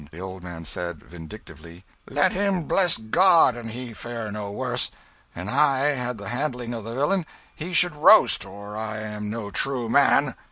The old man said, vindictively "Let him bless God an' he fare no worse. An' I had the handling o' the villain he should roast, or I am no true man!"